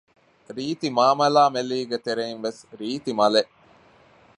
ރީތި މާމެލާމެލީގެ ތެރެއިން ވެސް ރީތި މަލެއް